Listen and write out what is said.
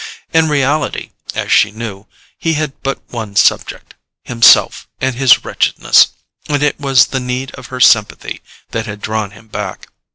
In reality, as she knew, he had but one subject: himself and his wretchedness; and it was the need of her sympathy that had drawn him back.